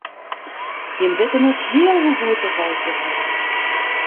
Jimme witte net heal hoe goed oft wy it hjir hawwe.